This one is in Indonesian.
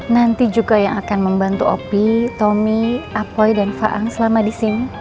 nanti juga yang akan membantu opi tommy apoy dan faang selama di sini